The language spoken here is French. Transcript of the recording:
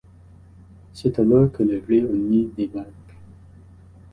C'est alors que le vrai O'Neill débarque.